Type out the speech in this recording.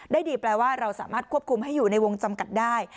ดีแปลว่าเราสามารถควบคุมให้อยู่ในวงจำกัดได้